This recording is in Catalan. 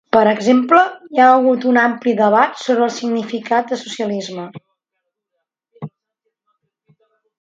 Per exemple, hi ha hagut un ampli debat sobre el significat de socialisme.